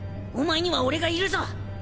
お前には俺がいるぞ。